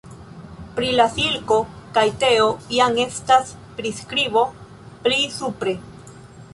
Pri la silko kaj teo jam estas priskribo pli supre.